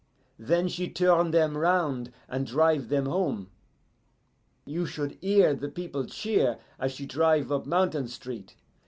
Then she turn them round and drive them home. "You should hear the people cheer as she drive up Mountain Street.